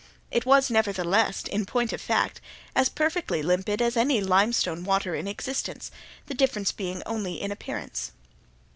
It was, nevertheless, in point of fact, as perfectly limpid as any limestone water in existence, the difference being only in appearance.